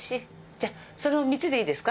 じゃあその３つでいいですか？